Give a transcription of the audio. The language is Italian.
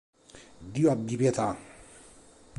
Dio abbi pietà!